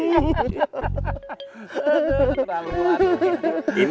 aduh pedut pedut